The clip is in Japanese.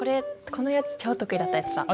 このやつ超得意だったやつだ。